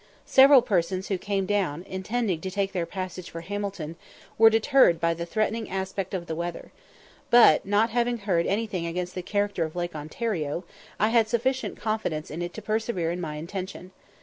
Several persons who came down, intending to take their passage for Hamilton, were deterred by the threatening aspect of the weather, but, not having heard anything against the character of Lake Ontario, I had sufficient confidence in it to persevere in my intention.